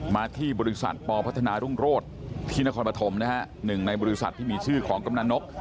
มาที่บริษัทปพัฒนารุ่งโรศที่นครปฐมนะฮะหนึ่งในบริษัทที่มีชื่อของกำนันนก